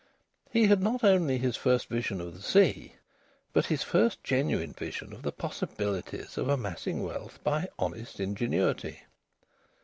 He had not only his first vision of the sea, but his first genuine vision of the possibilities of amassing wealth by honest ingenuity.